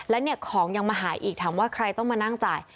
และเนี่ยของยังมาหายอีกถามว่าใครต้องมานั่งจ่าย